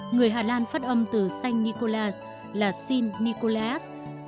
người hà lan phát âm từ xanh nikolas là sin nikolas